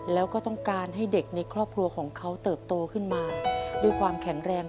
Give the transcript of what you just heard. แล้วก็ต้องการให้เด็กในครอบครัวของเขาเติบโตขึ้นมาด้วยความแข็งแรง